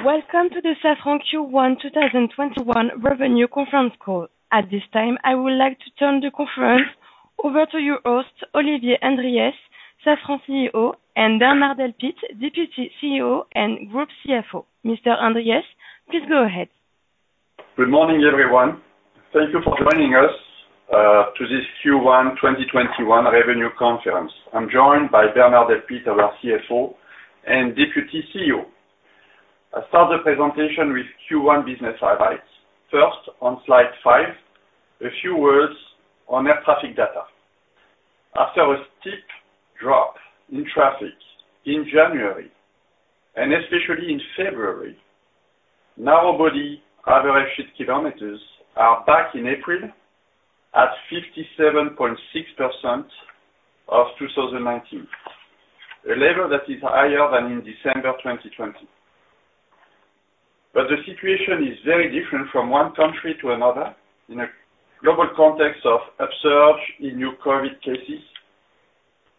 Welcome to the Safran Q1 2021 Revenue Conference call. At this time, I would like to turn the conference over to your host, Olivier Andriès, Safran CEO, and Bernard Delpit, Deputy CEO and Group CFO. Mr. Andriès, please go ahead. Good morning, everyone. Thank you for joining us to this Q1 2021 Revenue Conference. I'm joined by Bernard Delpit, our CFO and Deputy CEO. I start the presentation with Q1 business highlights. First, on slide five, a few words on air traffic data. After a steep drop in traffic in January, and especially in February, narrow-body available seat kilometers are back in April at 57.6% of 2019. A level that is higher than in December 2020. The situation is very different from one country to another in a global context of upsurge in new COVID cases.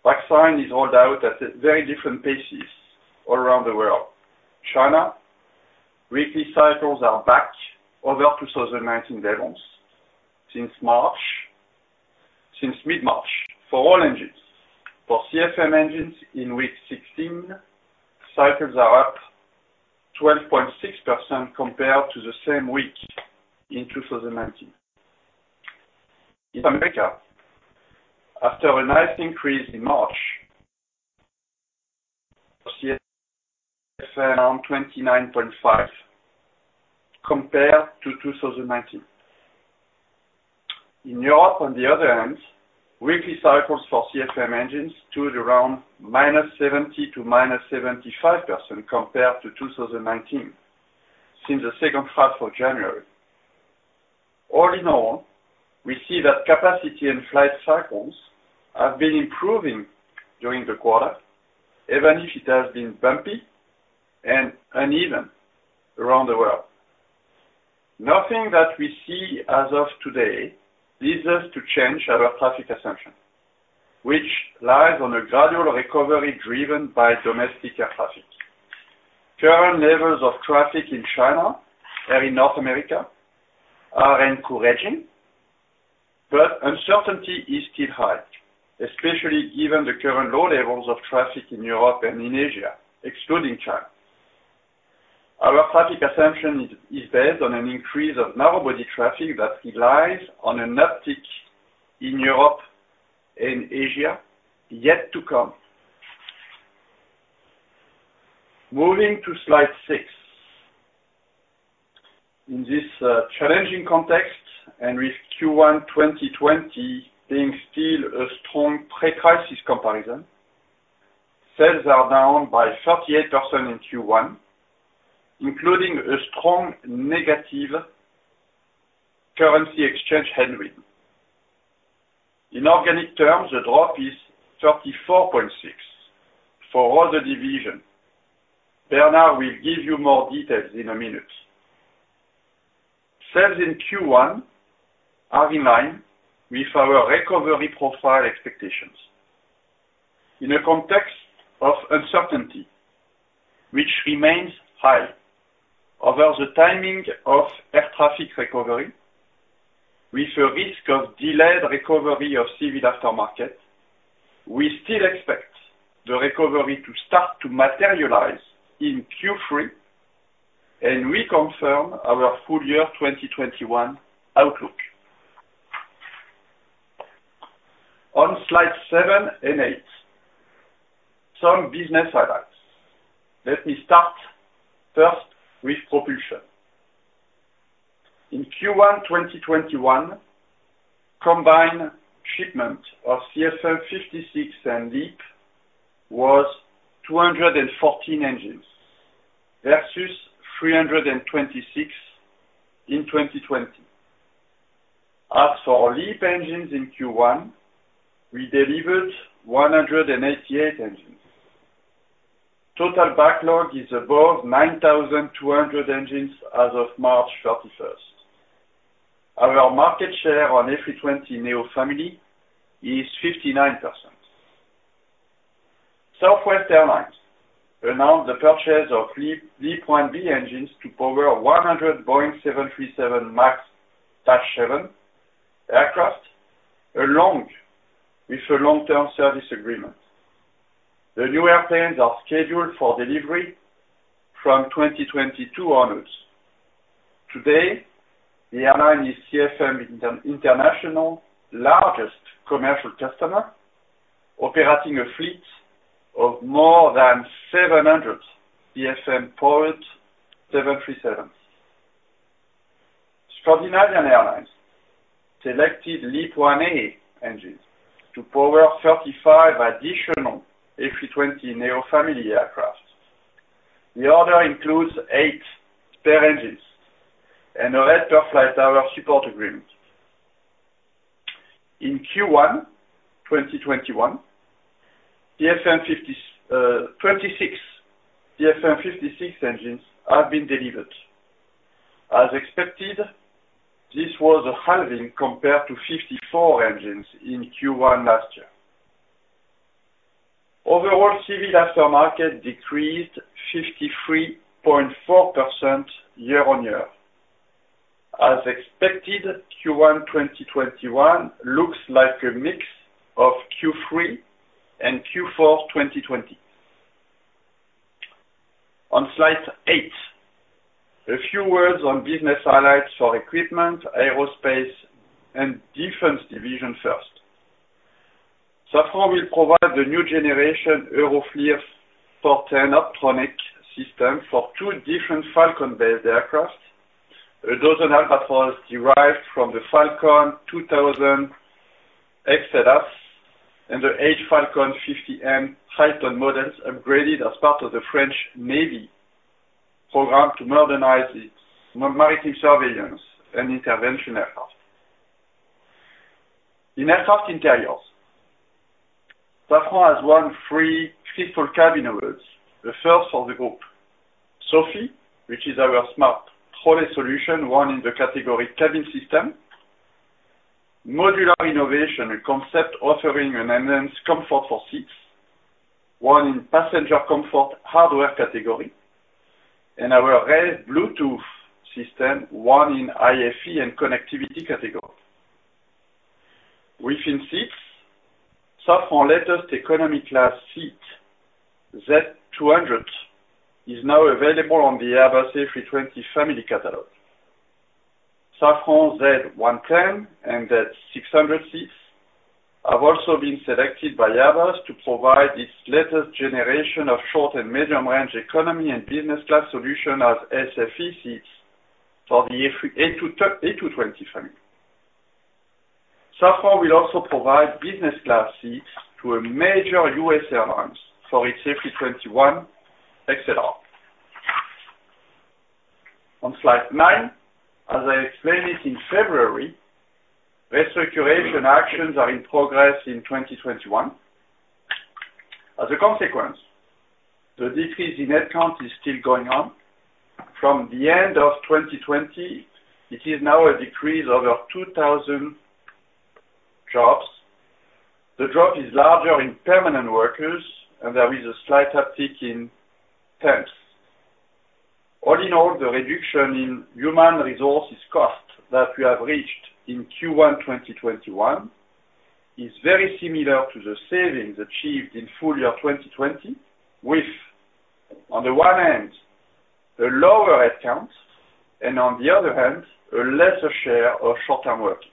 Vaccine is rolled out at a very different paces all around the world. China, weekly cycles are back over 2019 levels since mid-March for all engines. For CFM engines in week 16, cycles are up 12.6% compared to the same week in 2019. In America, after a nice increase in March, CFM 29.5% compared to 2019. In Europe, on the other hand, weekly cycles for CFM engines to around -70% to -75% compared to 2019 since the second half of January. We see that capacity and flight cycles have been improving during the quarter, even if it has been bumpy and uneven around the world. Nothing that we see as of today leads us to change our traffic assumption, which lies on a gradual recovery driven by domestic air traffic. Current levels of traffic in China and in North America are encouraging. Uncertainty is still high, especially given the current low levels of traffic in Europe and in Asia, excluding China. Our traffic assumption is based on an increase of narrow body traffic that relies on an uptick in Europe and Asia yet to come. Moving to slide six. In this challenging context, and with Q1 2020 being still a strong pre-crisis comparison, sales are down by 38% in Q1, including a strong negative currency exchange headwind. In organic terms, the drop is 34.6% for all the division. Bernard will give you more details in a minute. Sales in Q1 are in line with our recovery profile expectations. In a context of uncertainty, which remains high over the timing of air traffic recovery with a risk of delayed recovery of civil aftermarket, we still expect the recovery to start to materialize in Q3, and we confirm our full year 2021 outlook. On slide seven and eight, some business highlights. Let me start first with propulsion. In Q1 2021, combined shipment of CFM56 and LEAP was 214 engines versus 326 in 2020. As for LEAP engines in Q1, we delivered 188 engines. Total backlog is above 9,200 engines as of March 31st. Our market share on A320neo family is 59%. Southwest Airlines announced the purchase of LEAP-1B engines to power 100 Boeing 737 MAX-7 aircraft, along with a long-term service agreement. The new airplanes are scheduled for delivery from 2022 onwards. Today, the airline is CFM International largest commercial customer, operating a fleet of more than 700 CFM powered 737s. Scandinavian Airlines selected LEAP-1A engines to power 35 additional A320neo family aircraft. The order includes eight spare engines and a Rate per Flight Hour support agreement. In Q1 2021, 26 CFM56 engines have been delivered. As expected, this was a halving compared to 54 engines in Q1 last year. Overall, civil aftermarket decreased 53.4% year-on-year. As expected, Q1 2021 looks like a mix of Q3 and Q4 2020. On slide eight, a few words on business highlights for equipment, aerospace, and defense division first. Safran will provide the new generation Euroflir 410 optronic system for two different Falcon-based aircraft. 12 Albatros derived from the Falcon 2000LXS and the Falcon 50M models upgraded as part of the French Navy program to modernize its maritime surveillance and intervention aircraft. In aircraft interiors, Safran has won three Skytrax cabin awards, the first for the group. SOPHY, which is our smart trolley solution, won in the category cabin system. Modular innovation, a concept offering an enhanced comfort for seats, won in passenger comfort hardware category. Our RAVE Bluetooth system won in IFE and connectivity category. Within seats, Safran latest economy class seat, Z200, is now available on the Airbus A320 family catalog. Safran Z110i and Z600 seats have also been selected by Airbus to provide its latest generation of short and medium range economy and business class solution as SFE seats for the A220 family. Safran will also provide business class seats to a major U.S. airline for its A321XLR. On slide nine, as I explained it in February, restructuring actions are in progress in 2021. As a consequence, the decrease in headcount is still going on. From the end of 2020, it is now a decrease of over 2,000 jobs. The drop is larger in permanent workers, and there is a slight uptick in temps. All in all, the reduction in human resources cost that we have reached in Q1 2021 is very similar to the savings achieved in full year 2020 with, on the one hand, a lower headcount, and on the other hand, a lesser share of short-term working.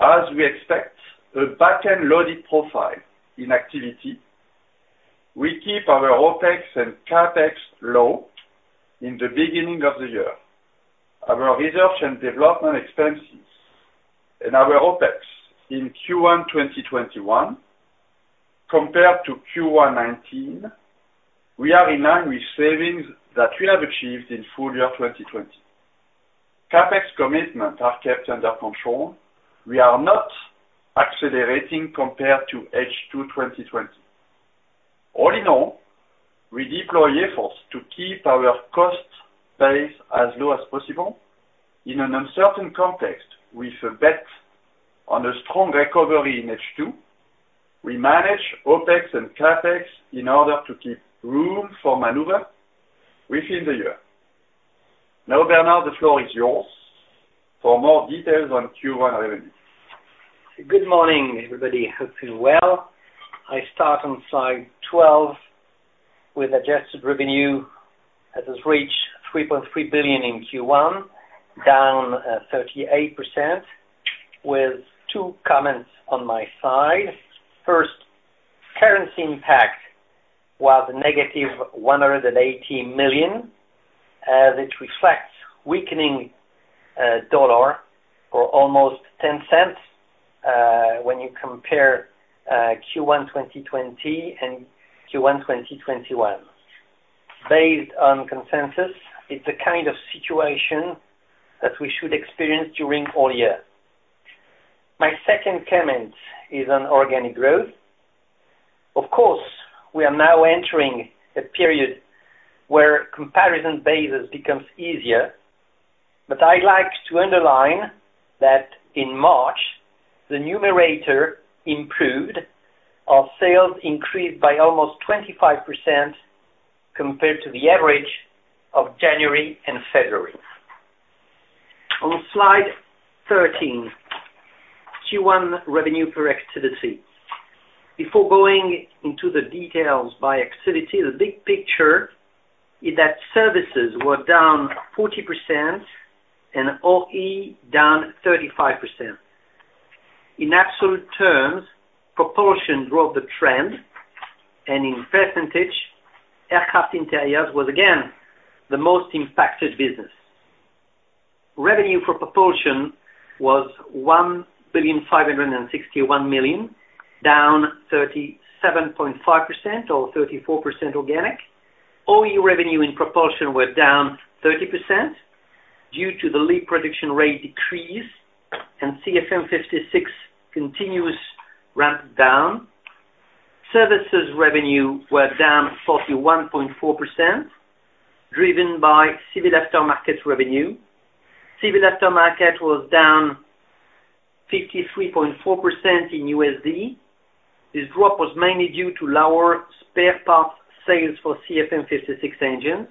As we expect a back-end loaded profile in activity, we keep our OpEx and CapEx low in the beginning of the year. Our research and development expenses and our OpEx in Q1 2021 compared to Q1 2019, we are in line with savings that we have achieved in full year 2020. CapEx commitments are kept under control. We are not accelerating compared to H2 2020. All in all, we deploy efforts to keep our cost base as low as possible in an uncertain context with a bet on a strong recovery in H2. We manage OpEx and CapEx in order to keep room for maneuver within the year. Now, Bernard, the floor is yours for more details on Q1 revenue. Good morning, everybody. Hope you are well. I start on slide 12 with adjusted revenue that has reached 3.3 billion in Q1, down 38%, with two comments on my side. First, currency impact was negative 118 million, as it reflects weakening dollar for almost 0.10, when you compare Q1 2020 and Q1 2021. Based on consensus, it is the kind of situation that we should experience during all year. My second comment is on organic growth. Of course, we are now entering a period where comparison basis becomes easier, but I like to underline that in March, the numerator improved. Our sales increased by almost 25% compared to the average of January and February. On slide 13, Q1 revenue per activity. Before going into the details by activity, the big picture is that services were down 40% and OE down 35%. In absolute terms, propulsion drove the trend, and in percentage, aircraft interiors was again the most impacted business. Revenue for propulsion was EUR 1.561 billion, down 37.5% or 34% organic. OE revenue and propulsion were down 30% due to the LEAP production rate decrease and CFM56 continuous ramp down. Services revenue were down 41.4%, driven by civil aftermarket revenue. Civil aftermarket was down 53.4% in USD. This drop was mainly due to lower spare parts sales for CFM56 engines.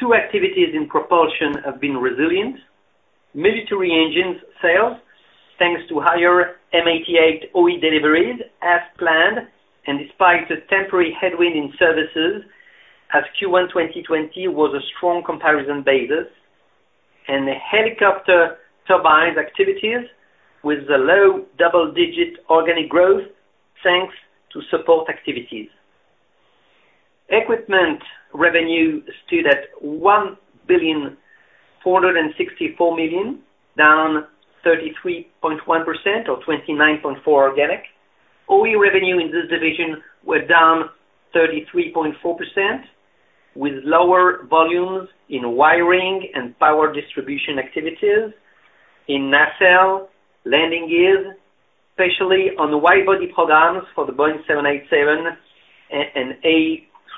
Two activities in propulsion have been resilient. Military engines sales, thanks to higher M88 OE deliveries as planned, and despite the temporary headwind in services, as Q1 2020 was a strong comparison basis. The helicopter turbines activities, with the low double-digit organic growth, thanks to support activities. Equipment revenue stood at 1.464 billion, down 33.1% or 29.4 organic. OE revenue in this division were down 33.4%, with lower volumes in wiring and power distribution activities in Nacelle landing gears, especially on the wide body programs for the Boeing 787 and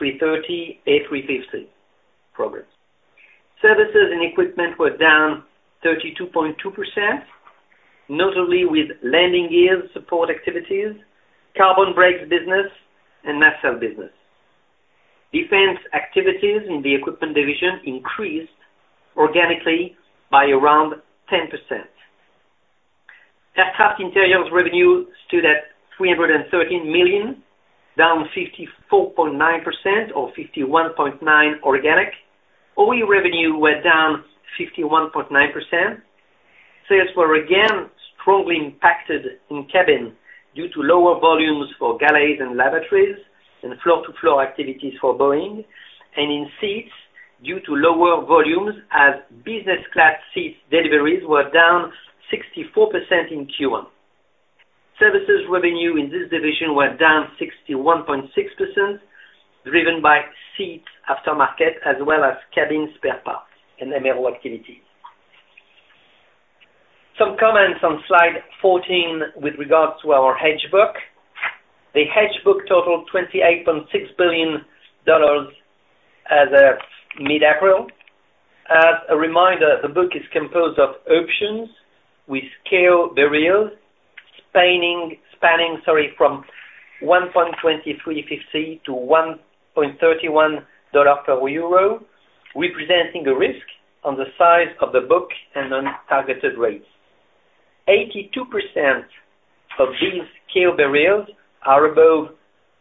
A330, A350 programs. Services and equipment were down 32.2%, notably with landing gear support activities, carbon brakes business, and Nacelle business. Defense activities in the equipment division increased organically by around 10%. Aircraft interiors revenue stood at 313 million, down 54.9% or 51.9 organic. OE revenue were down 51.9%. Sales were again strongly impacted in cabin due to lower volumes for galleys and lavatories, and floor-to-floor activities for Boeing, and in seats due to lower volumes as business class seats deliveries were down 64% in Q1. Services revenue in this division were down 61.6%, driven by seat aftermarket as well as cabin spare parts and MRO activities. Some comments on slide 14 with regards to our hedge book. The hedge book totaled EUR 28.6 billion as of mid-April. As a reminder, the book is composed of options with scale barriers spanning from $1.2350-$1.31 per euro, representing a risk on the size of the book and on targeted rates. 82% of these scale barriers are above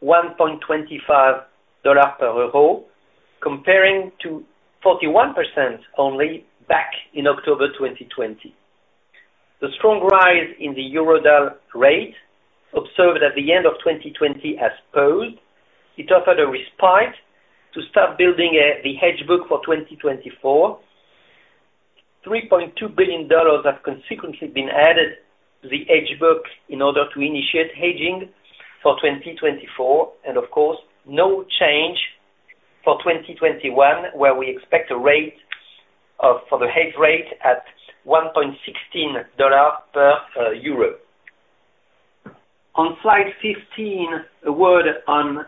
$1.25 per euro, comparing to 41% only back in October 2020. The strong rise in the euro-dollar rate observed at the end of 2020 has posed. It offered a respite to start building the hedge book for 2024. EUR 3.2 billion have consequently been added to the hedge book in order to initiate hedging for 2024. Of course, no change for 2021, where we expect a rate for the hedge rate at $1.16 per euro. On slide 15, a word on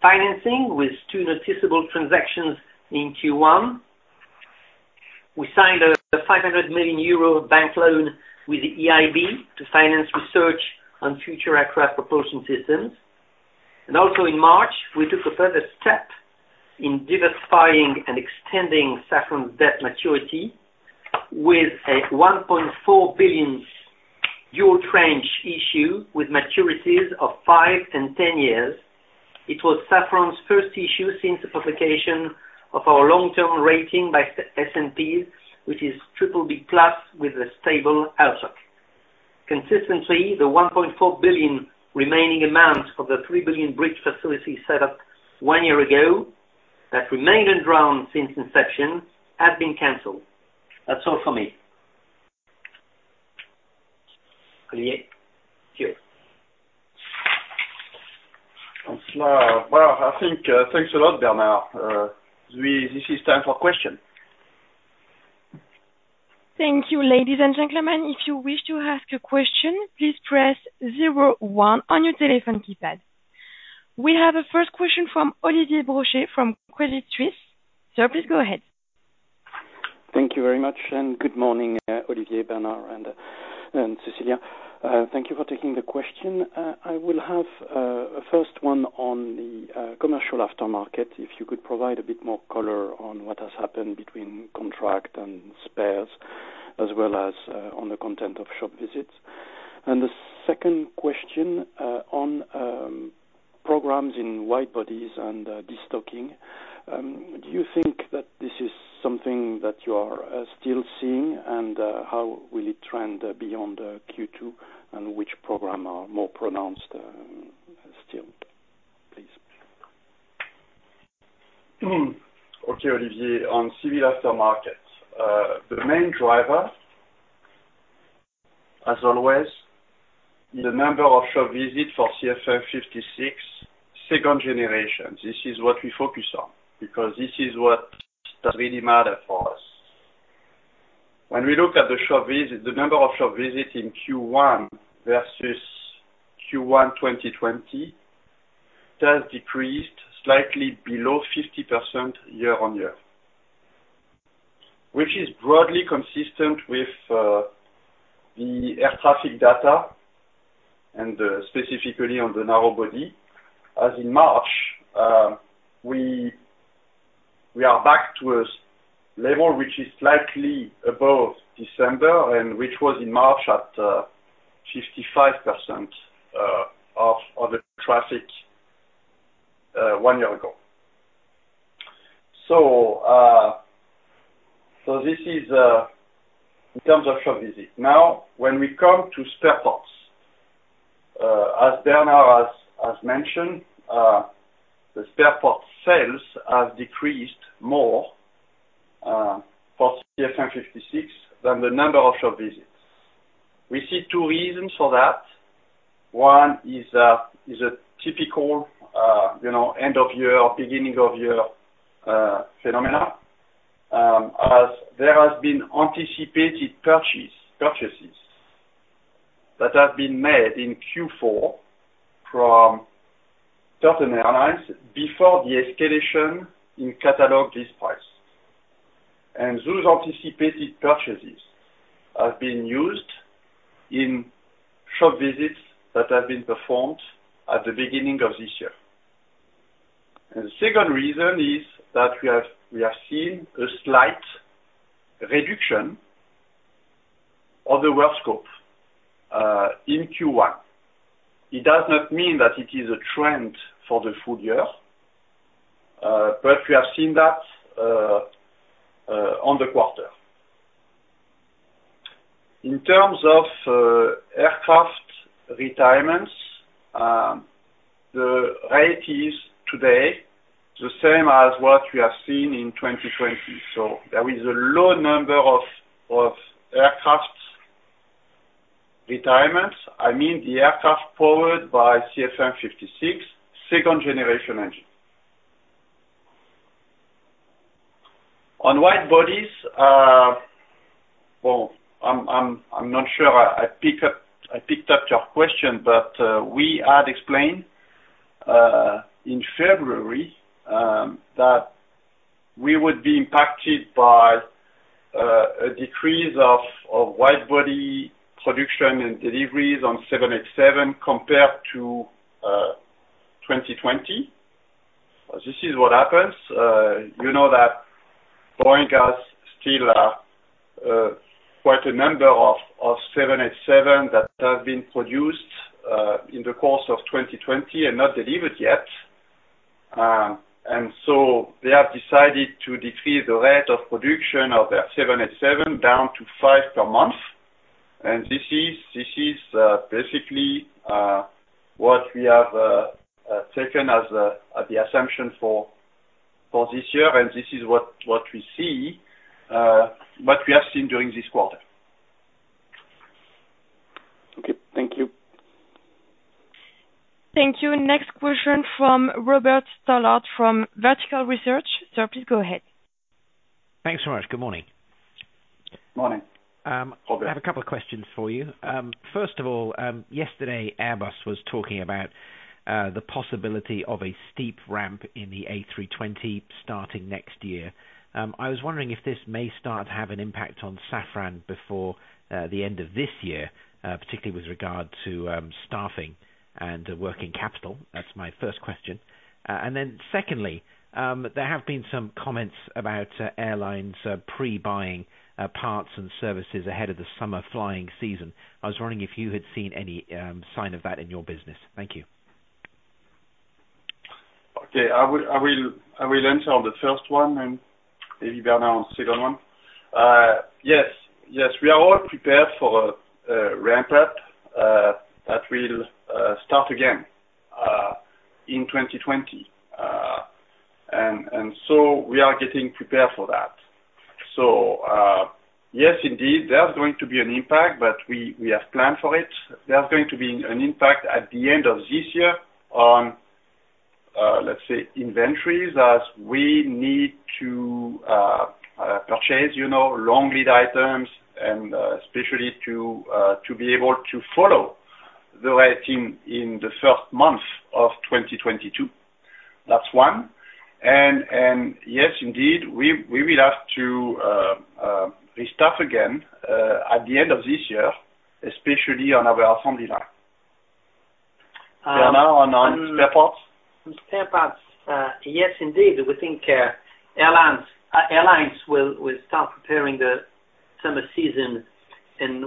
financing with two noticeable transactions in Q1. We signed a 500 million euro bank loan with the EIB to finance research on future aircraft propulsion systems. Also in March, we took a further step in diversifying and extending Safran's debt maturity with a 1.4 billion euro dual tranche issue with maturities of five and 10 years. It was Safran's first issue since the publication of our long-term rating by the S&P, which is BBB+ with a stable outlook. Consistently, the 1.4 billion remaining amount of the 3 billion bridge facility set up one year ago that remained undrawn since inception has been canceled. That's all for me. Olivier? Thank you. Well, thanks a lot, Bernard. This is time for question. Thank you, ladies and gentlemen. If you wish to ask a question, please press zero one on your telephone keypad. We have a first question from Olivier Brochet from Credit Suisse. Sir, please go ahead. Thank you very much, and good morning, Olivier, Bernard, and Célia. Thank you for taking the question. I will have a first one on the commercial aftermarket. If you could provide a bit more color on what has happened between contract and spares, as well as on the content of shop visits. The second question on programs in wide bodies and de-stocking. Do you think that this is something that you are still seeing, and how will it trend beyond Q2, and which program are more pronounced still, please? Okay, Olivier, on civil aftermarket. The main driver, as always, the number of shop visits for CFM56 second generation. This is what we focus on because this is what does really matter for us. When we look at the number of shop visits in Q1 versus Q1 2020, that decreased slightly below 50% year-on-year. Which is broadly consistent with the air traffic data, and specifically on the narrow-body, as in March, we are back to a level which is slightly above December, and which was in March at 55% of the traffic one year ago. This is in terms of shop visit. Now, when we come to spare parts, as Bernard has mentioned, the spare parts sales have decreased more for CFM56 than the number of shop visits. We see two reasons for that. One is a typical end of year or beginning of year phenomena, as there has been anticipated purchases that have been made in Q4 from certain airlines before the escalation in catalog list price. Those anticipated purchases have been used in shop visits that have been performed at the beginning of this year. The second reason is that we have seen a slight reduction of the work scope, in Q1. It does not mean that it is a trend for the full year, but we have seen that on the quarter. In terms of aircraft retirements, the rate is today the same as what we have seen in 2020. There is a low number of aircraft retirements. I mean, the aircraft powered by CFM56, second generation engine. On wide bodies, well, I'm not sure I picked up your question. We had explained in February that we would be impacted by a decrease of wide body production and deliveries on Boeing 787 compared to 2020. This is what happens. You know that Boeing has still quite a number of Boeing 787 that have been produced in the course of 2020 and not delivered yet. They have decided to decrease the rate of production of their Boeing 787 down to five per month. This is basically what we have taken as the assumption for this year, and this is what we see, what we have seen during this quarter. Okay. Thank you. Thank you. Next question from Robert Stallard from Vertical Research. Sir, please go ahead. Thanks so much. Good morning. Morning. I have a couple of questions for you. First of all, yesterday Airbus was talking about the possibility of a steep ramp in the A320 starting next year. I was wondering if this may start to have an impact on Safran before the end of this year, particularly with regard to staffing and working capital. That's my first question. Then secondly, there have been some comments about airlines pre-buying parts and services ahead of the summer flying season. I was wondering if you had seen any sign of that in your business. Thank you. Okay. I will answer the first one and maybe Bernard the second one. Yes. We are all prepared for a ramp up that will start again in 2020. We are getting prepared for that. Yes, indeed, there's going to be an impact, but we have planned for it. There's going to be an impact at the end of this year on, let's say, inventories, as we need to purchase long lead items and especially to be able to follow the rate in the first month of 2022. That's one. Yes, indeed, we will have to restaff again, at the end of this year, especially on our assembly line. Bernard, on spare parts? On spare parts, yes, indeed. We think airlines will start preparing the summer season.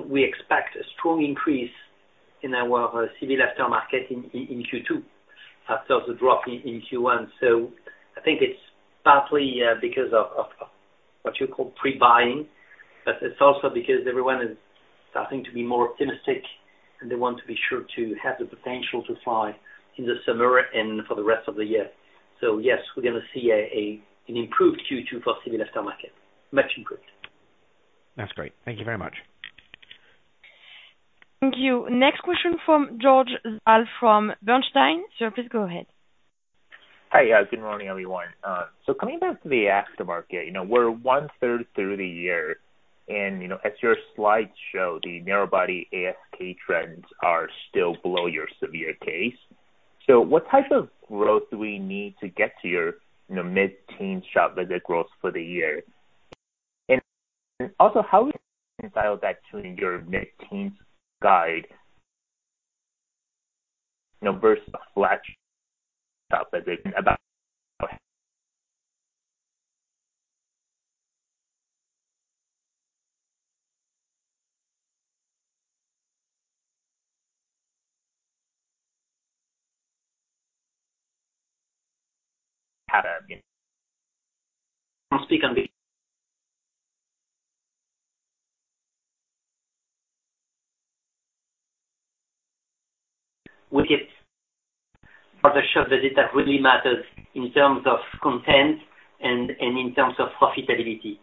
We expect a strong increase in our Civil aftermarket in Q2 after the drop in Q1. I think it's partly because of what you call pre-buying. It's also because everyone is starting to be more optimistic and they want to be sure to have the potential to fly in the summer and for the rest of the year. Yes, we're going to see an improved Q2 for Civil aftermarket. Much improved. That's great. Thank you very much. Thank you. Next question from George Zhao from Bernstein. Sir, please go ahead. Hi. Good morning, everyone. Coming back to the aftermarket, we're one-third through the year and as your slides show, the narrow-body ASK trends are still below your severe case. What type of growth do we need to get to your mid-teen shop visit growth for the year? Also how you reconcile that to your mid-teens guide, versus the flat shop visit? Would it show the data really matters in terms of content and in terms of profitability.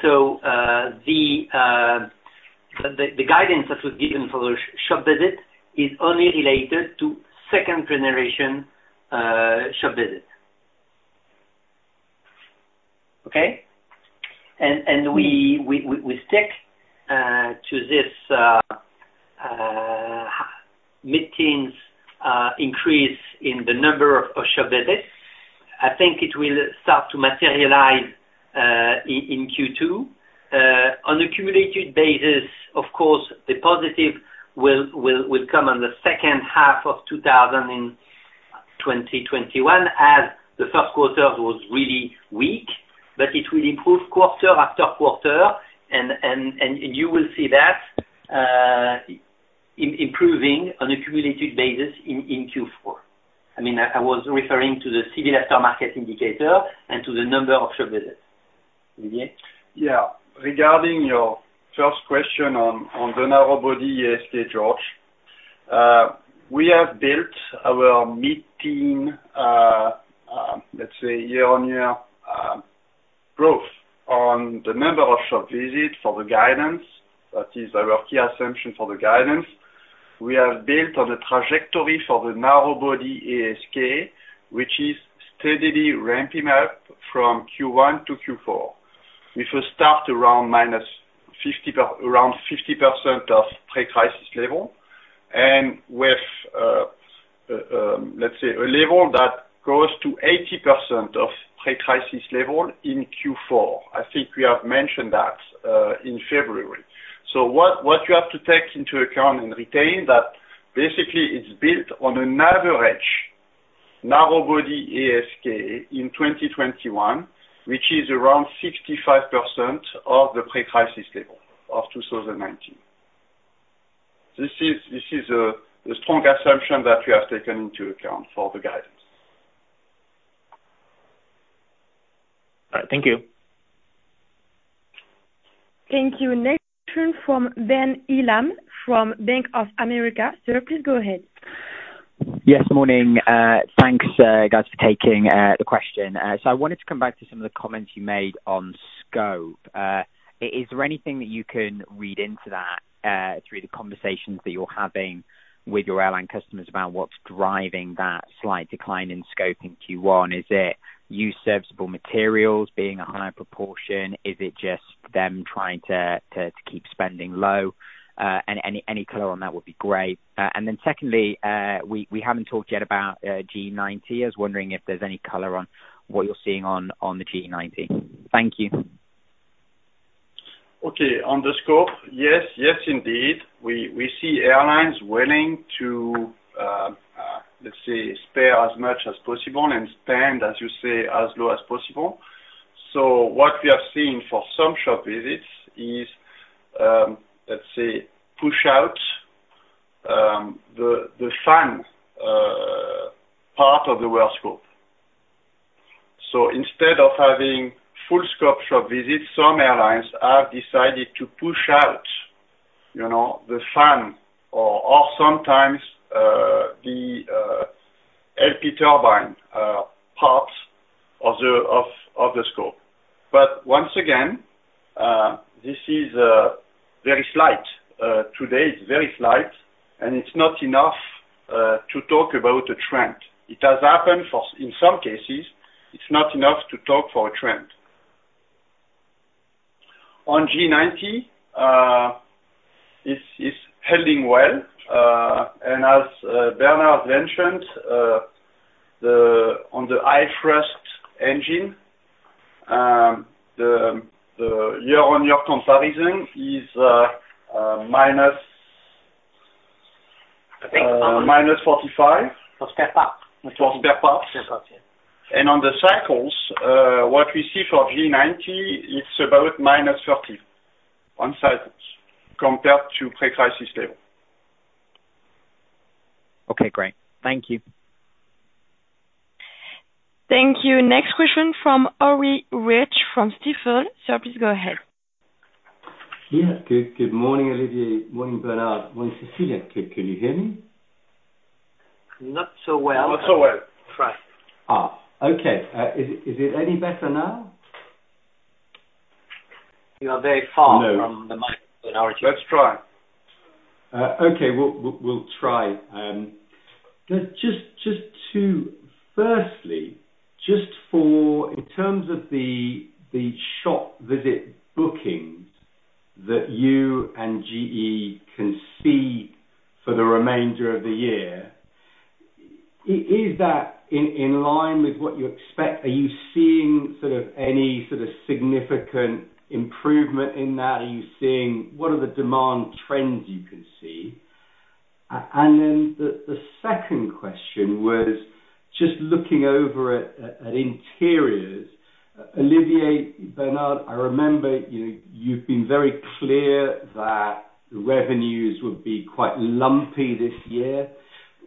The guidance that was given for the shop visit is only related to second-generation shop visit. Okay. We stick to this mid-teens increase in the number of shop visits. I think it will start to materialize in Q2. On a cumulative basis, of course, the positive will come on the second half of 2021 as the first quarter was really weak, but it will improve quarter after quarter and you will see that improving on a cumulative basis in Q4. I was referring to the civil aftermarket indicator and to the number of shop visits. Olivier. Yeah. Regarding your first question on the narrow body ASK, George, we have built our mid-teen, let's say year-on-year growth on the number of shop visits for the guidance. That is our key assumption for the guidance. We have built on the trajectory for the narrow body ASK, which is steadily ramping up from Q1 to Q4, which will start around -50% of pre-crisis level and with, let's say, a level that goes to 80% of pre-crisis level in Q4. I think we have mentioned that in February. What you have to take into account and retain that basically it's built on an average narrow body ASK in 2021, which is around 65% of the pre-crisis level of 2019. This is a strong assumption that we have taken into account for the guidance. All right. Thank you. Thank you. Next turn from Ben Heelan from Bank of America. Sir, please go ahead. Yes, morning. Thanks, guys for taking the question. I wanted to come back to some of the comments you made on scope. Is there anything that you can read into that through the conversations that you're having with your airline customers about what's driving that slight decline in scope in Q1? Is it used serviceable materials being a higher proportion? Is it just them trying to keep spending low? Any color on that would be great. Secondly, we haven't talked yet about GE90. I was wondering if there's any color on what you're seeing on the GE90. Thank you. Okay. On the scope. Yes, indeed. We see airlines willing to, let's say, spare as much as possible and spend, as you say, as low as possible. What we have seen for some shop visits is, let's say, push out the fan part of the work scope. Instead of having full scope shop visits, some airlines have decided to push out the fan or sometimes the LP turbine parts of the scope. Once again, this is very slight. Today it's very slight, and it's not enough to talk about a trend. It has happened in some cases. It's not enough to talk for a trend. On GE90, it's holding well. As Bernard mentioned, on the high-thrust engine, the year-on-year comparison is -45. For spare parts. For spare parts. Spare parts, yeah. On the cycles, what we see for GE90, it's about -30 on cycles compared to pre-crisis level. Okay, great. Thank you. Thank you. Next question from Tana Reich from Stifel. Sir, please go ahead. Yeah. Good morning, Olivier. Morning, Bernard. Morning, Célia. Can you hear me? Not so well. Not so well. Try. Okay. Is it any better now? You are very far from the mic in our. Let's try. Okay. We'll try. Firstly, just in terms of the shop visit bookings that you and GE can see for the remainder of the year, is that in line with what you expect? Are you seeing any sort of significant improvement in that? What are the demand trends you can see? The second question was just looking over at interiors. Olivier, Bernard, I remember you've been very clear that the revenues would be quite lumpy this year.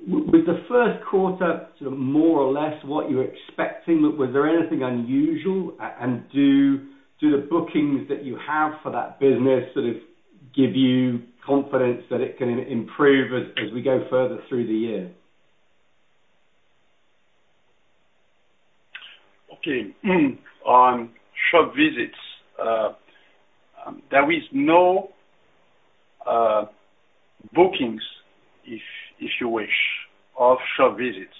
Was the first quarter more or less what you were expecting? Was there anything unusual? Do the bookings that you have for that business give you confidence that it can improve as we go further through the year? Okay. On shop visits, there is no bookings, if you wish, of shop visits.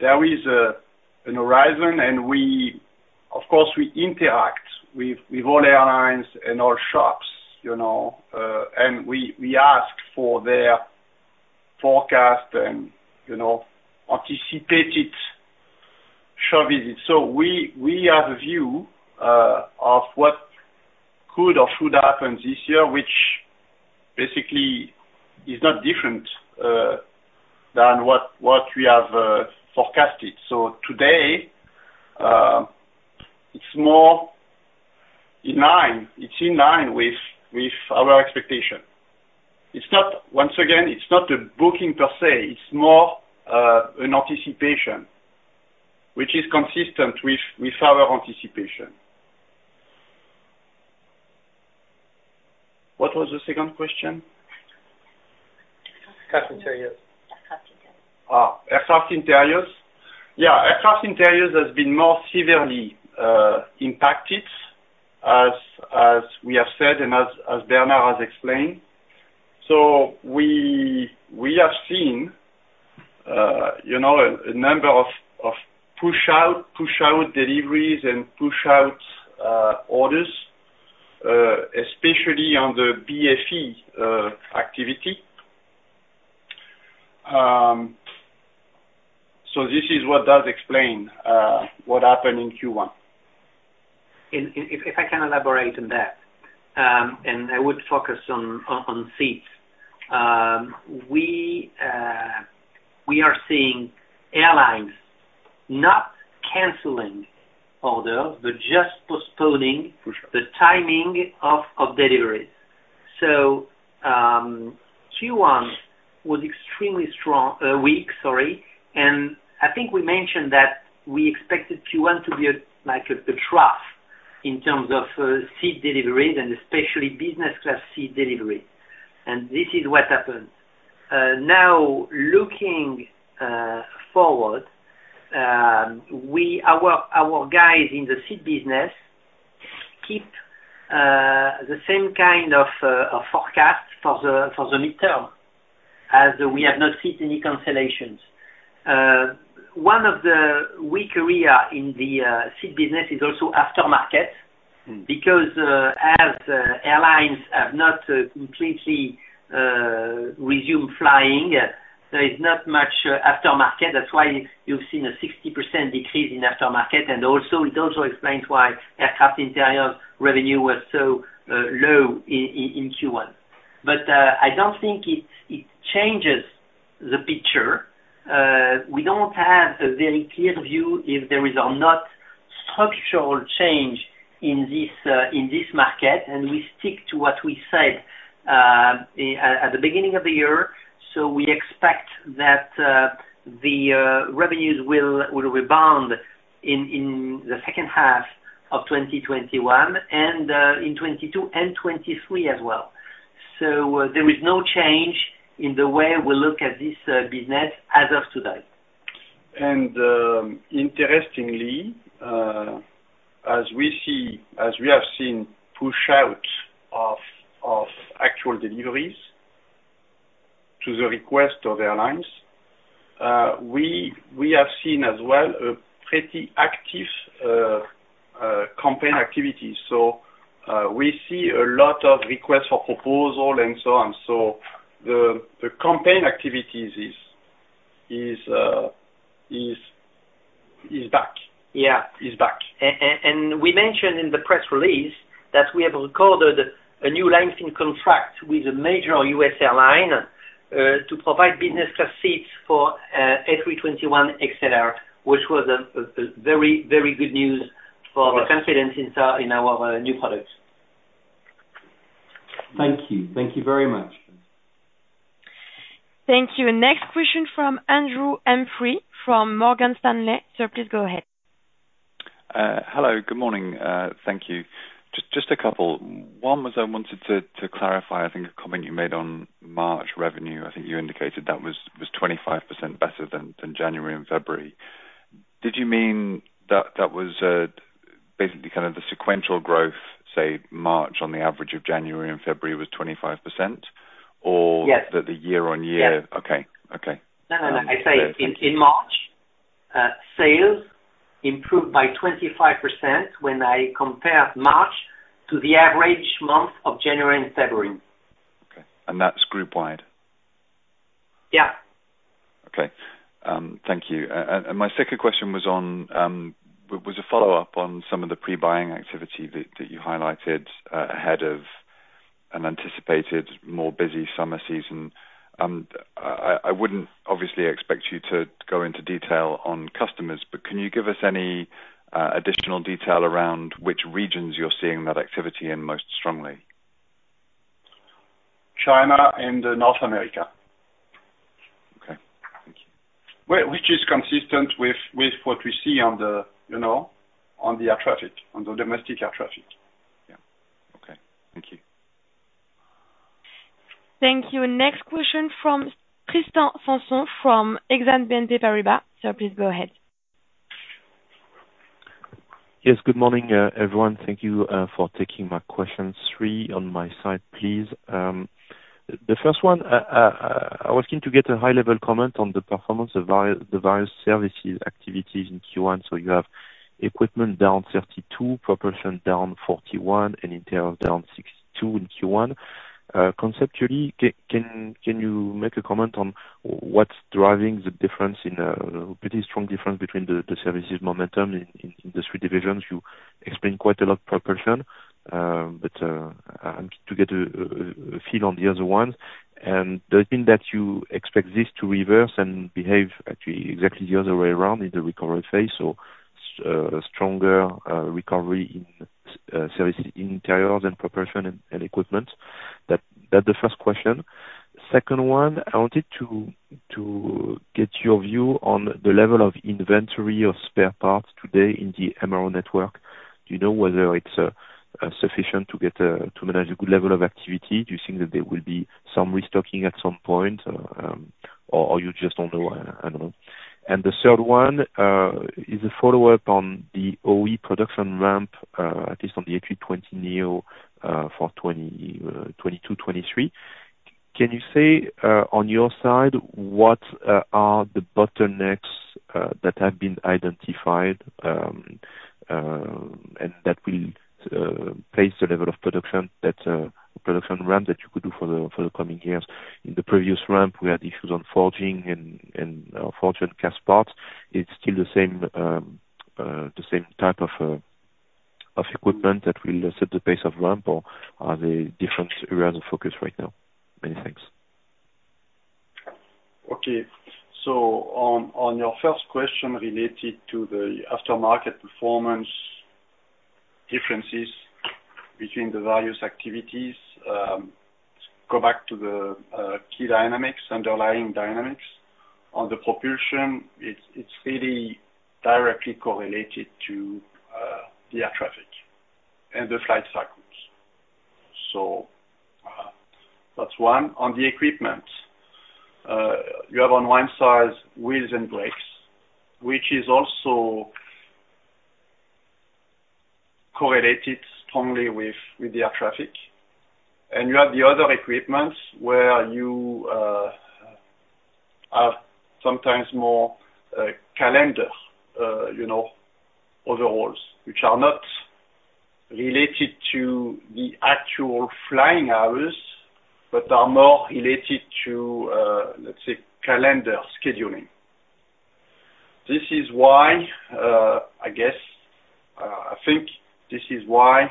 There is a horizon, and of course, we interact with all airlines and all shops, and we ask for their forecast and anticipated shop visits. We have a view of what could or should happen this year, which basically is not different than what we have forecasted. Today, it's more in line with our expectation. Once again, it's not a booking per se, it's more an anticipation, which is consistent with our anticipation. What was the second question? Aircraft interiors. Aircraft interiors has been more severely impacted as we have said and as Bernard has explained. We have seen a number of push-out deliveries and push-out orders, especially on the BFE activity. This is what does explain what happened in Q1. If I can elaborate on that, and I would focus on seats. We are seeing airlines not canceling orders, but just postponing. For sure. the timing of deliveries. Q1 was extremely weak, I think we mentioned that we expected Q1 to be like a trough in terms of seat deliveries and especially business class seat delivery. This is what happened. Now, looking forward, our guys in the seat business keep the same kind of forecast for the midterm, as we have not seen any cancellations. One of the weak area in the seat business is also aftermarket. As airlines have not completely resumed flying, there is not much aftermarket. That's why you've seen a 60% decrease in aftermarket, and it also explains why aircraft interior revenue was so low in Q1. I don't think it changes the picture. We don't have a very clear view if there is or not structural change in this market, and we stick to what we said at the beginning of the year. We expect that the revenues will rebound in the second half of 2021, and in 2022 and 2023 as well. There is no change in the way we look at this business as of today. Interestingly, as we have seen push out of actual deliveries to the request of the airlines, we have seen as well a pretty active campaign activity. We see a lot of requests for proposal and so on. The campaign activity is back. Yeah. Is back. We mentioned in the press release that we have recorded a new licensing contract with a major U.S. airline, to provide business class seats for A321XLR, which was a very good news for the confidence in our new products. Thank you. Thank you very much. Thank you. Next question from Andrew Humphrey from Morgan Stanley. Sir, please go ahead. Hello, good morning. Thank you. Just a couple. One was I wanted to clarify, I think a comment you made on March revenue. I think you indicated that was 25% better than January and February. Did you mean that was basically the sequential growth, say, March on the average of January and February was 25%? Yes The year-on-year? Yes. Okay. No, I say in March, sales improved by 25% when I compare March to the average month of January and February. Okay. That's group wide? Yeah. Okay. Thank you. My second question was a follow-up on some of the pre-buying activity that you highlighted, ahead of an anticipated more busy summer season. I wouldn't obviously expect you to go into detail on customers, but can you give us any additional detail around which regions you're seeing that activity in most strongly? China and North America. Okay, thank you. Which is consistent with what we see on the air traffic, on the domestic air traffic. Yeah. Okay, thank you. Thank you. Next question from Tristan Sanson, from Exane BNP Paribas. Sir, please go ahead. Yes, good morning, everyone. Thank you for taking my questions. Three on my side, please. The first one, I was keen to get a high level comment on the performance of the various services activities in Q1. You have equipment down 32%, propulsion down 41%, and interiors down 62% in Q1. Conceptually, can you make a comment on what's driving the pretty strong difference between the services momentum in the three divisions? You explained quite a lot propulsion, I'm keen to get a feel on the other ones. Do you think that you expect this to reverse and behave actually exactly the other way around in the recovery phase? A stronger recovery in interiors and propulsion and equipment. That's the first question. Second one, I wanted to get your view on the level of inventory of spare parts today in the MRO network. Do you know whether it's sufficient to manage a good level of activity? Do you think that there will be some restocking at some point? You just don't know? I don't know. The third one, is a follow-up on the OE production ramp, at least on the A320neo, for 2022, 2023. Can you say, on your side, what are the bottlenecks that have been identified, and that will pace the level of production ramp that you could do for the coming years? In the previous ramp, we had issues on forging and cast parts. It's still the same type of equipment that will set the pace of ramp or are they different areas of focus right now? Many thanks. Okay. On your first question related to the aftermarket performance differences between the various activities, go back to the key dynamics, underlying dynamics. On the propulsion, it's really directly correlated to the air traffic and the flight cycles. That's one. On the equipment, you have on one side, wheels and brakes, which is also correlated strongly with the air traffic. You have the other equipment where you have sometimes more calendar overhauls, which are not related to the actual flying hours, but are more related to let's say, calendar scheduling. I think this is why,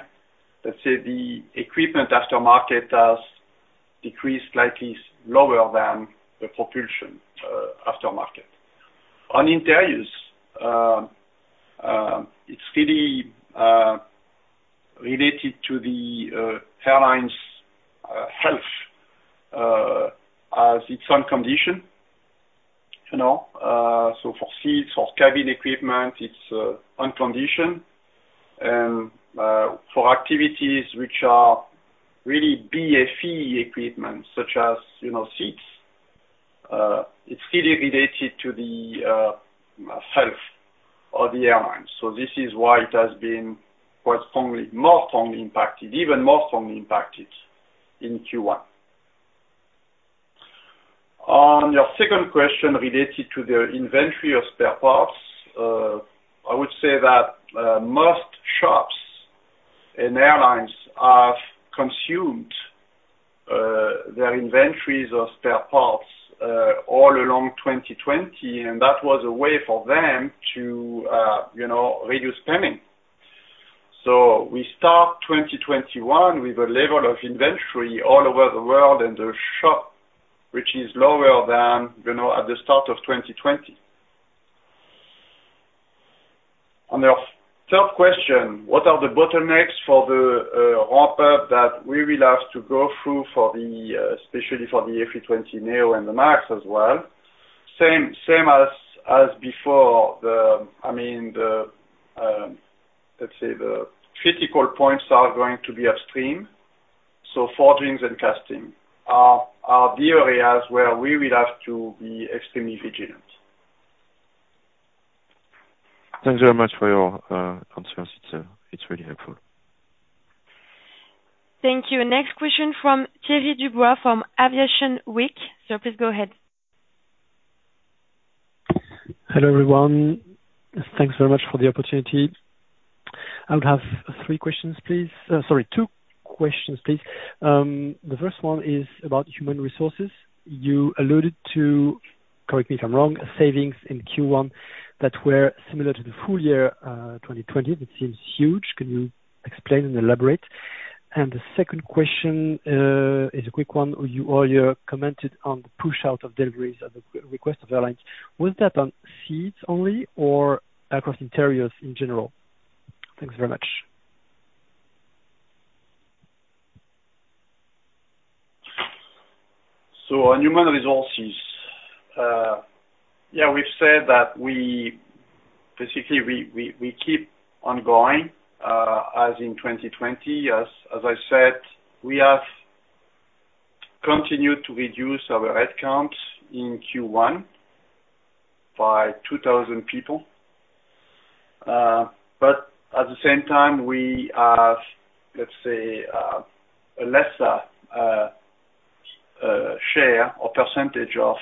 let's say, the equipment aftermarket has decreased slightly lower than the propulsion aftermarket. On interiors, it's really related to the airline's health, as it's on condition. For seats, for cabin equipment, it's on condition. For activities which are really BFE equipment, such as seats, it's really related to the health of the airlines. This is why it has been more strongly impacted, even more strongly impacted in Q1. On your second question related to the inventory of spare parts, I would say that most shops and airlines have consumed their inventories of spare parts all along 2020, and that was a way for them to reduce spending. We start 2021 with a level of inventory all over the world and the shop, which is lower than at the start of 2020. On your third question, what are the bottlenecks for the ramp-up that we will have to go through especially for the A320neo and the MAX as well? Same as before. Let's say the critical points are going to be upstream. Forgings and casting are the areas where we will have to be extremely vigilant. Thanks very much for your answers. It is really helpful. Thank you. Next question from Thierry Dubois from Aviation Week. Please go ahead. Hello, everyone. Thanks very much for the opportunity. I would have three questions, please. Sorry, two questions, please. The first one is about human resources. You alluded to, correct me if I'm wrong, savings in Q1 that were similar to the full year 2020. That seems huge. Can you explain and elaborate? The second question is a quick one. You earlier commented on the push-out of deliveries at the request of airlines. Was that on seats only or across interiors in general? Thanks very much. On human resources, we've said that basically we keep ongoing as in 2020. As I said, we have continued to reduce our headcounts in Q1 by 2,000 people. At the same time, we have, let's say, a lesser share or percentage of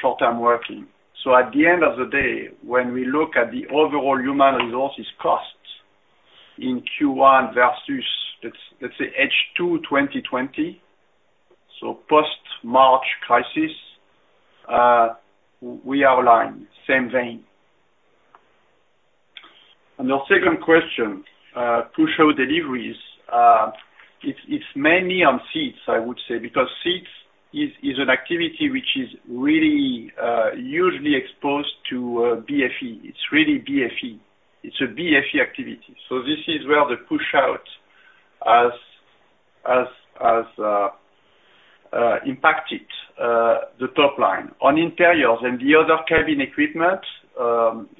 short-term working. At the end of the day, when we look at the overall human resources costs in Q1 versus, let's say, H2 2020, so post-March crisis, we are aligned. Same vein. On your second question, push out deliveries. It's mainly on seats, I would say, because seats is an activity which is really usually exposed to BFE. It's really BFE. It's a BFE activity. This is where the push out has impacted the top line. On interiors and the other cabin equipment,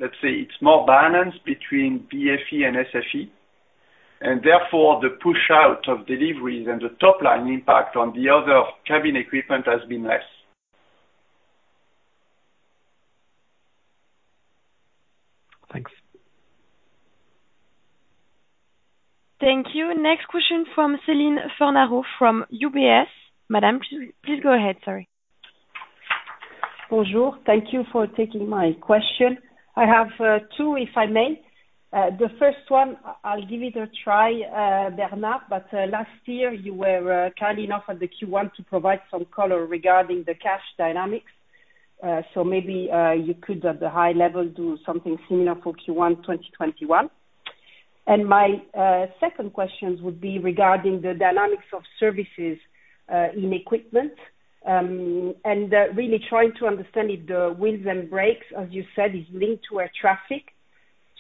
let's say it's more balanced between BFE and SFE, and therefore the push out of deliveries and the top-line impact on the other cabin equipment has been less. Thanks. Thank you. Next question from Céline Fornaro from UBS. Madam, please go ahead. Sorry. Thank you for taking my question. I have two, if I may. The first one, I'll give it a try, Bernard. Last year you were kind enough at the Q1 to provide some color regarding the cash dynamics. Maybe you could, at the high level, do something similar for Q1 2021. My second questions would be regarding the dynamics of services in equipment, and really trying to understand if the wheels and brakes, as you said, is linked to air traffic.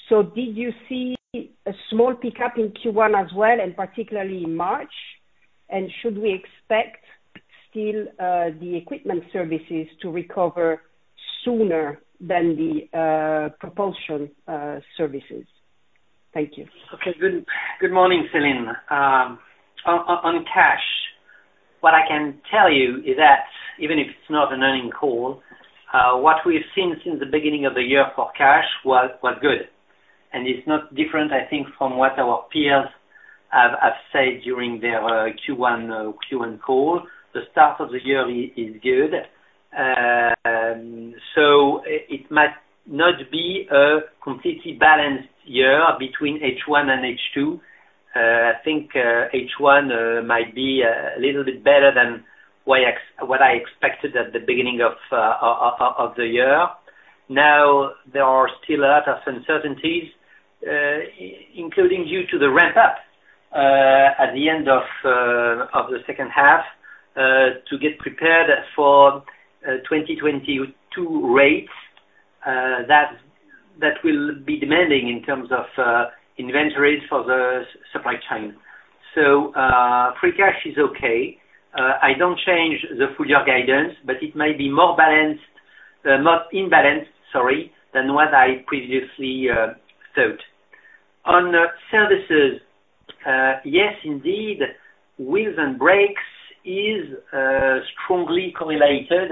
Did you see a small pickup in Q1 as well, and particularly in March? Should we expect still the equipment services to recover sooner than the propulsion services? Thank you. Okay. Good morning, Céline. On cash, what I can tell you is that even if it's not an earning call, what we've seen since the beginning of the year for cash was good. It's not different, I think, from what our peers have said during their Q1 call. The start of the year is good. It might not be a completely balanced year between H1 and H2. I think H1 might be a little bit better than what I expected at the beginning of the year. Now, there are still a lot of uncertainties, including due to the ramp up, at the end of the second half, to get prepared for 2022 rates. That will be demanding in terms of inventories for the supply chain. Free cash is okay. I don't change the full-year guidance, but it might be more imbalanced than what I previously thought. On services, yes, indeed, wheels and brakes is strongly correlated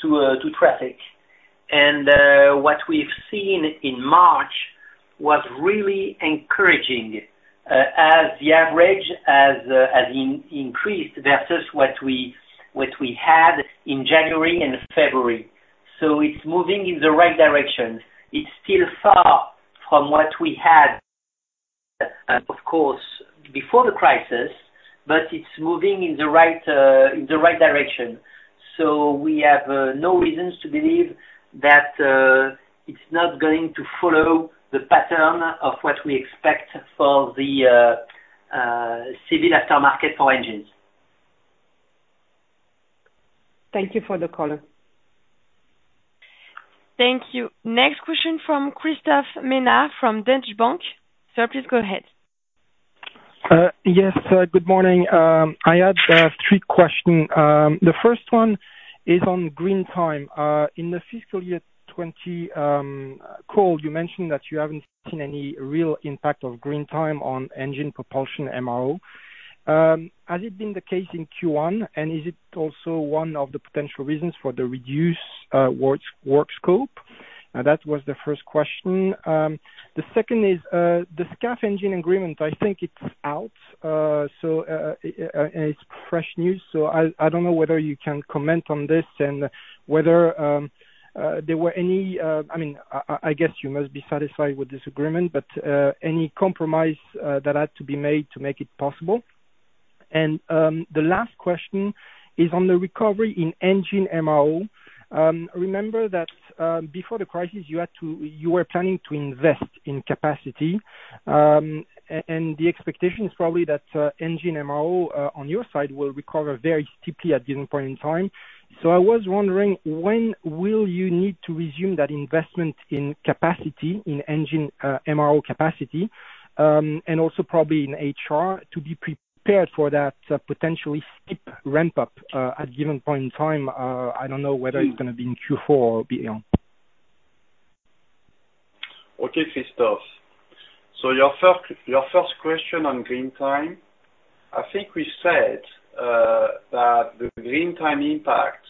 to traffic. What we've seen in March was really encouraging as the average has increased versus what we had in January and February. It's moving in the right direction. It's still far from what we had, of course, before the crisis, but it's moving in the right direction. We have no reasons to believe that it's not going to follow the pattern of what we expect for the civil aftermarket for engines. Thank you for the call. Thank you. Next question from Christophe Menard from Deutsche Bank. Sir, please go ahead. Yes. Good morning. I have three questions. The first one is on green time. In the FY 2020 call, you mentioned that you haven't seen any real impact of green time on engine propulsion MRO. Has it been the case in Q1, and is it also one of the potential reasons for the reduced work scope? That was the first question. The second is, the SCAF engine agreement, I think it's out. It's fresh news, so I don't know whether you can comment on this and whether there were any I guess you must be satisfied with this agreement, but any compromise that had to be made to make it possible? The last question is on the recovery in engine MRO. Remember that before the crisis, you were planning to invest in capacity, and the expectation is probably that engine MRO on your side will recover very steeply at a given point in time. I was wondering, when will you need to resume that investment in capacity, in engine MRO capacity, and also probably in HR to be prepared for that potentially steep ramp-up at a given point in time? I don't know whether it's going to be in Q4 or beyond. Okay, Christophe. Your first question on green time, I think we said that the green time impact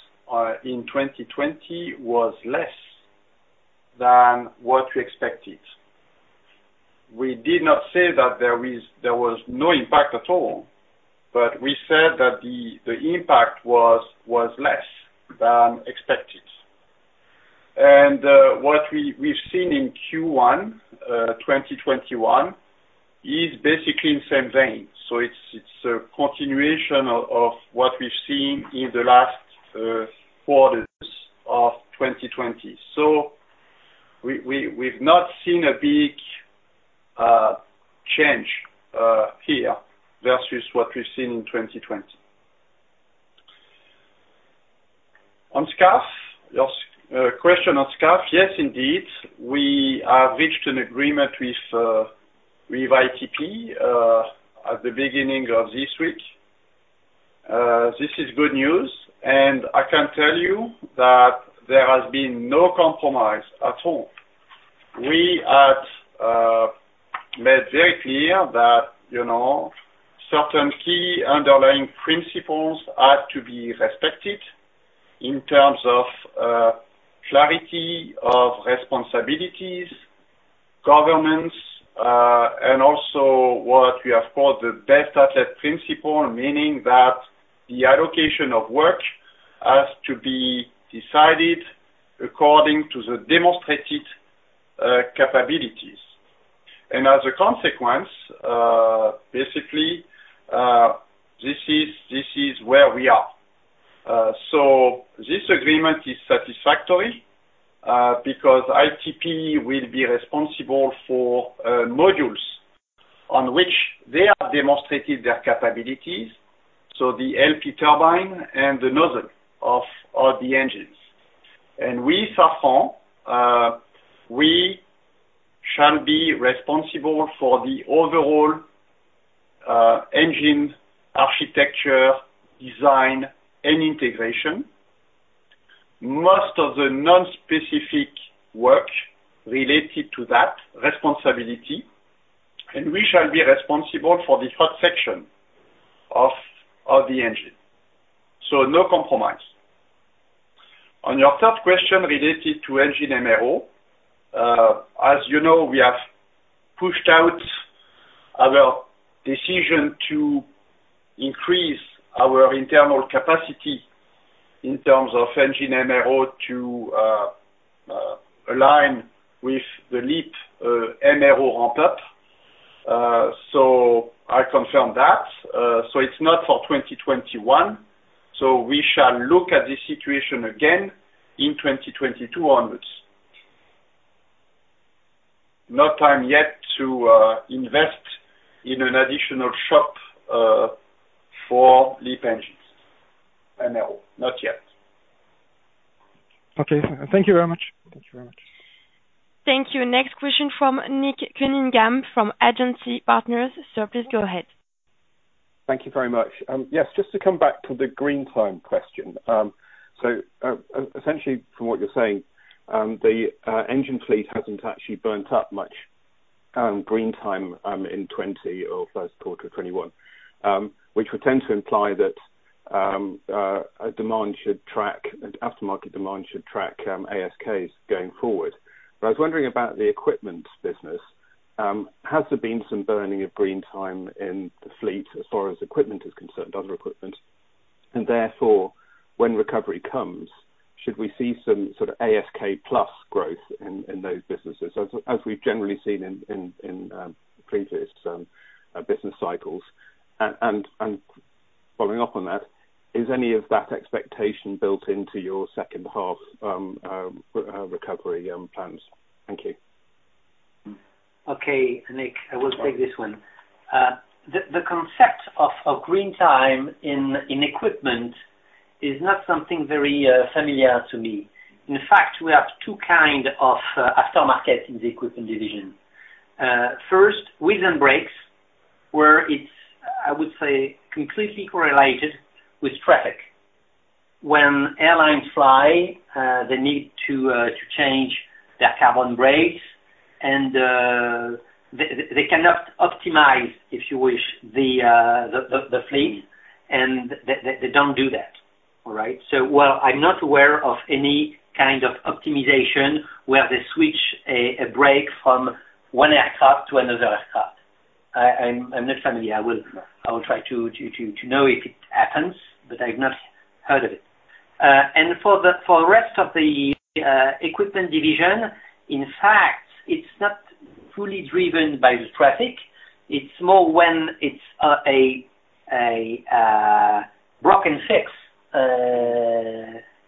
in 2020 was less than what we expected. We did not say that there was no impact at all, but we said that the impact was less than expected. What we've seen in Q1 2021 is basically in the same vein. It's a continuation of what we've seen in the last quarters of 2020. We've not seen a big change here versus what we've seen in 2020. On SCAF, your question on SCAF. Yes, indeed. We have reached an agreement with ITP at the beginning of this week. This is good news, and I can tell you that there has been no compromise at all. We had made very clear that certain key underlying principles had to be respected in terms of clarity of responsibilities, governance, and also what we have called the best athlete principle, meaning that the allocation of work has to be decided according to the demonstrated capabilities. As a consequence, basically, this is where we are. This agreement is satisfactory, because ITP will be responsible for modules on which they have demonstrated their capabilities, so the LP turbine and the nozzle of the engines. We, Safran, we shall be responsible for the overall engine architecture, design, and integration, most of the non-specific work related to that responsibility, and we shall be responsible for the hot section of the engine. No compromise. On your third question related to engine MRO, as you know, we have pushed out our decision to increase our internal capacity in terms of engine MRO to align with the LEAP MRO ramp-up. I confirm that. It's not for 2021. We shall look at this situation again in 2022 onwards. No time yet to invest in an additional shop for LEAP engines MRO. Not yet. Okay, sir. Thank you very much. Thank you. Next question from Nick Cunningham from Agency Partners, please go ahead. Thank you very much. Yes, just to come back to the green time question. Essentially from what you're saying, the engine fleet hasn't actually burnt up much green time in 2020 or first quarter of 2021, which would tend to imply that aftermarket demand should track ASKs going forward. I was wondering about the equipment business. Has there been some burning of green time in the fleet as far as equipment is concerned, other equipment? Therefore, when recovery comes, should we see some sort of ASK plus growth in those businesses, as we've generally seen in previous business cycles? Following up on that, is any of that expectation built into your second half recovery plans? Thank you. Okay, Nick, I will take this one. The concept of green time in equipment is not something very familiar to me. In fact, we have two kind of aftermarket in the equipment division. First, wheels and brakes, where it's, I would say, completely correlated with traffic. When airlines fly, they need to change their carbon brakes, and they cannot optimize, if you wish, the fleet, and they don't do that. All right? Well, I'm not aware of any kind of optimization where they switch a brake from one aircraft to another aircraft. I'm not familiar. I will try to know if it happens, but I've not heard of it. For rest of the equipment division, in fact, it's not fully driven by the traffic. It's more when it's a break-fix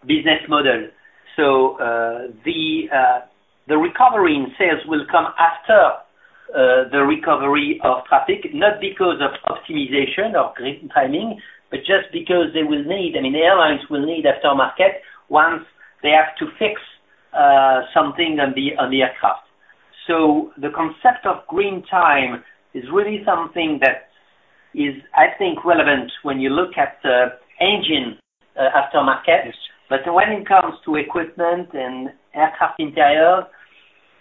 business model. The recovery in sales will come after the recovery of traffic, not because of optimization or green timing, but just because the airlines will need aftermarket once they have to fix something on the aircraft. The concept of green time is really something that is, I think, relevant when you look at the engine aftermarket. Yes. When it comes to equipment and aircraft interior,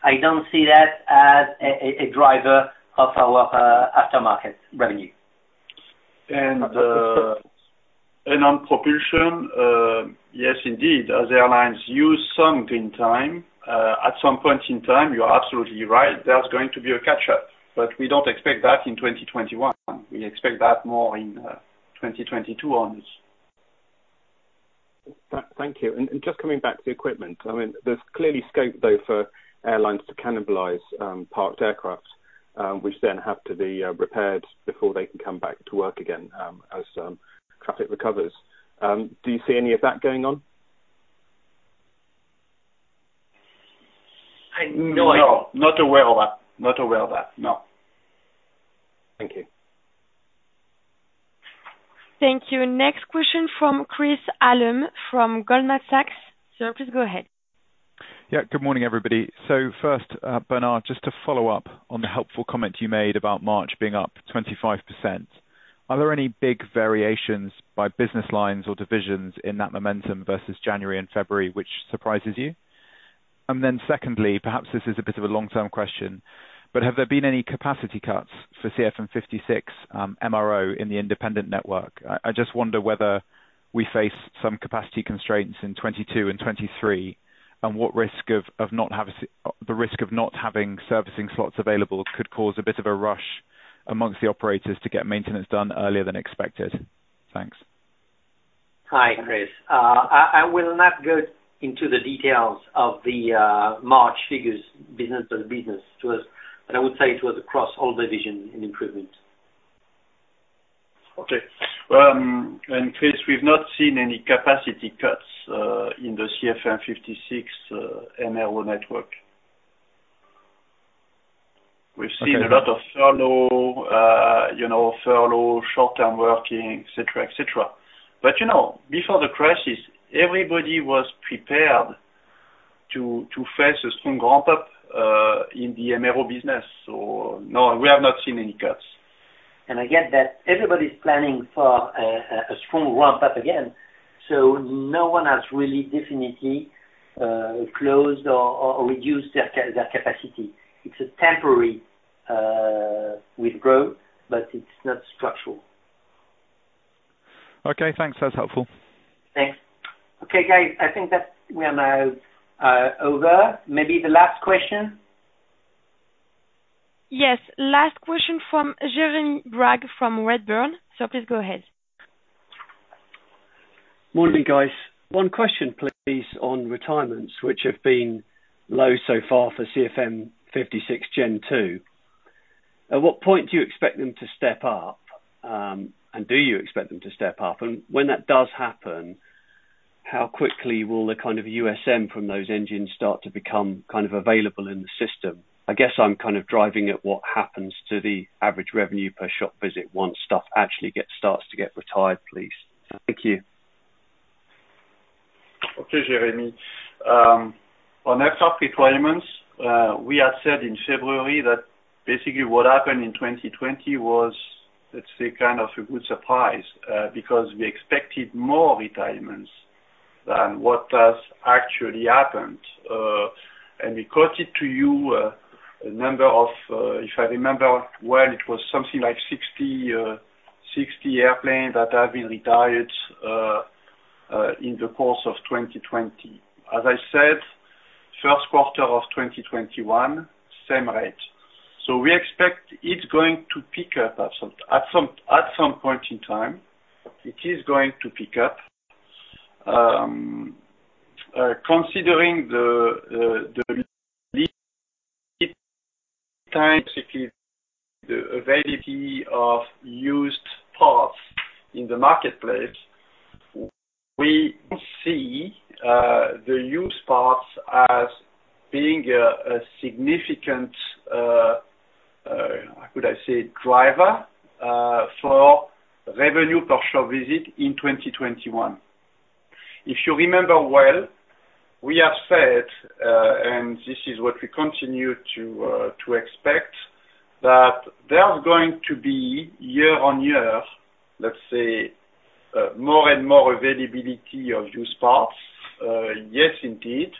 I don't see that as a driver of our aftermarket revenue. On propulsion, yes, indeed. As the airlines use some green time, at some point in time, you are absolutely right, there's going to be a catch-up. We don't expect that in 2021. We expect that more in 2022 onwards. Thank you. Just coming back to equipment. There's clearly scope, though, for airlines to cannibalize parked aircraft, which then have to be repaired before they can come back to work again, as traffic recovers. Do you see any of that going on? No idea. No. Not aware of that. No. Thank you. Thank you. Next question from Chris Allam from Goldman Sachs. Sir, please go ahead. Yeah, good morning, everybody. First, Bernard, just to follow up on the helpful comment you made about March being up 25%. Are there any big variations by business lines or divisions in that momentum versus January and February which surprises you? Secondly, perhaps this is a bit of a long-term question, but have there been any capacity cuts for CFM56 MRO in the independent network? I just wonder whether we face some capacity constraints in 2022 and 2023, and what risk of not having servicing slots available could cause a bit of a rush amongst the operators to get maintenance done earlier than expected. Thanks. Hi, Chris. I will not go into the details of the March figures business to us. I would say it was across all divisions, an improvement. Okay. Chris, we've not seen any capacity cuts in the CFM56 MRO network. Okay. We've seen a lot of furlough, short-term working, et cetera. Before the crisis, everybody was prepared to face a strong ramp-up in the MRO business, so no, we have not seen any cuts. Again, everybody's planning for a strong ramp-up again, so no one has really definitely closed or reduced their capacity. It's a temporary withdraw, but it's not structural. Okay, thanks. That's helpful. Thanks. Okay, guys, I think that we are now over. Maybe the last question? Yes. Last question from Jeremy Bragg from Redburn. Please go ahead. Morning, guys. One question, please, on retirements, which have been low so far for CFM56 Gen2. At what point do you expect them to step up? Do you expect them to step up? When that does happen, how quickly will the kind of USM from those engines start to become available in the system? I guess I'm kind of driving at what happens to the average revenue per shop visit once stuff actually starts to get retired, please. Thank you. Okay, Jeremy. On aircraft retirements, we had said in February that basically what happened in 2020 was, let's say, kind of a good surprise, because we expected more retirements than what has actually happened. We quoted to you a number of, if I remember well, it was something like 60 airplanes that have been retired in the course of 2020. As I said, first quarter of 2021, same rate. We expect it's going to pick up at some point in time. It is going to pick up. Considering the lead times it takes for the availability of used parts in the marketplace, we see the used parts as being a significant, how could I say, driver for revenue per shop visit in 2021. If you remember well, we have said, and this is what we continue to expect, that there's going to be year-on-year, let's say, more and more availability of used parts. Yes, indeed.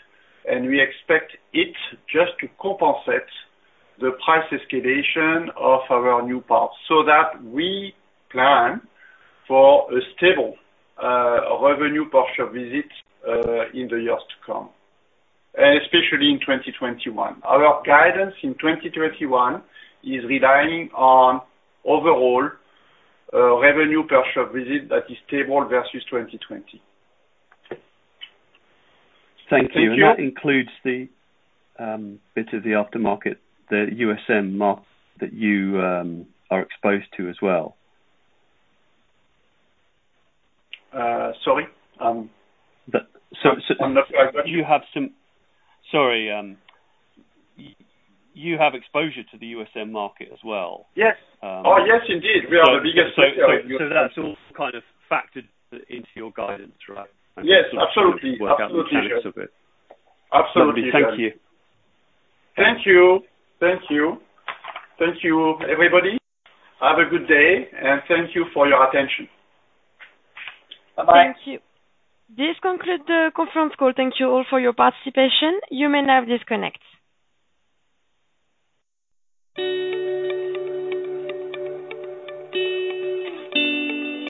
We expect it just to compensate the price escalation of our new parts so that we plan for a stable revenue per shop visit in the years to come, and especially in 2021. Our guidance in 2021 is relying on overall revenue per shop visit that is stable versus 2020. Thank you. Thank you. That includes the bit of the aftermarket, the USM market that you are exposed to as well? Sorry? Sorry. You have exposure to the USM market as well? Yes. Oh, yes, indeed. We are the biggest player. That's all kind of factored into your guidance, right? Yes, absolutely. You sort of work out the mechanics of it. Absolutely, yes. Lovely. Thank you. Thank you. Thank you. Thank you, everybody. Have a good day, and thank you for your attention. Bye-bye. Thank you. This conclude the conference call. Thank you all for your participation. You may now disconnect.